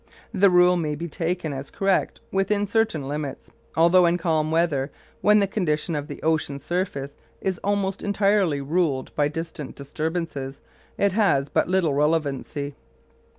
The rule may be taken as correct within certain limits, although in calm weather, when the condition of the ocean surface is almost entirely ruled by distant disturbances, it has but little relevancy.